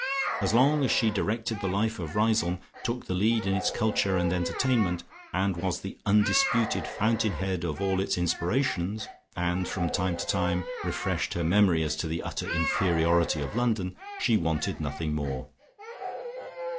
As long as she directed the life of Riseholme, took the lead in its culture and entertainment, and was the undisputed fountain head of all its inspirations, and from time to time refreshed her memory as to the utter inferiority of London she wanted nothing more.